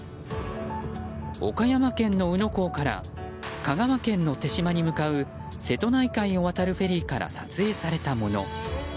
岡山県の宇野港から香川県の豊島に向かう瀬戸内海を渡るフェリーから撮影されたもの。